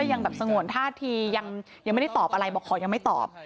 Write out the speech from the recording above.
ยังแบบสงวนท่าทียังไม่ได้ตอบอะไรบอกขอยังไม่ตอบ